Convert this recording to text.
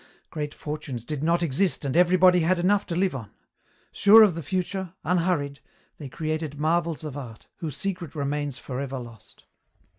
Great fortunes did not exist and everybody had enough to live on. Sure of the future, unhurried, they created marvels of art, whose secret remains for ever lost.